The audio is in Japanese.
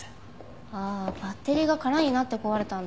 ああバッテリーが空になって壊れたんだ。